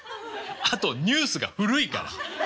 あとニュースが古いから。